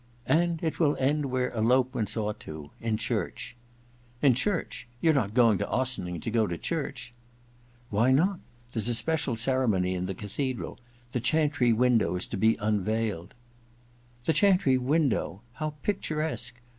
* And it will end where elopements ought to— in church.' * In church ? You're not going to Ossining to go to church ?'* Why not ? There's a special ceremony in the cathedral — the chantry window is to be unveiled.* io6 EXPIATION IV * The chantry window ? How picturesque